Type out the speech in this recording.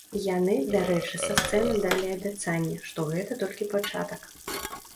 Яны, дарэчы, са сцэны далі абяцанне, што гэта толькі пачатак.